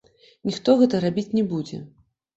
Ніхто гэта рабіць не будзе.